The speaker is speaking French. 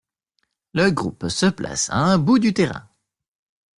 Le groupe se place à un bout du terrain.